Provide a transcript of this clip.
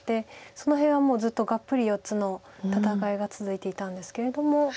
その辺はもうずっとがっぷり四つの戦いが続いていたんですけれども。